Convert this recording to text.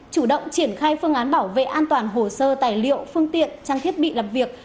chủ động triển khai phương án bảo vệ an toàn hồ sơ tài liệu phương tiện trang thiết bị làm việc